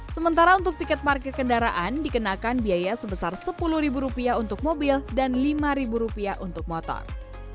sementara untuk tiket parkir kendaraan dikenakan biaya sebesar rp sepuluh untuk mobil dan rp lima untuk motor